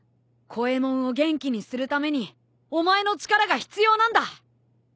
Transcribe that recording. コエモンを元気にするためにお前の力が必要なんだ。